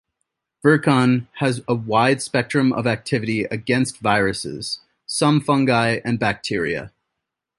Virkon has a wide spectrum of activity against viruses, some fungi, and bacteria.